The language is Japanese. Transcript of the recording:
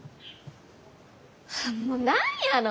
もう何やの！